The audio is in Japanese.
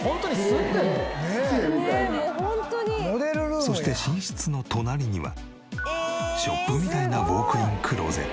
そして寝室の隣にはショップみたいなウォークインクローゼット。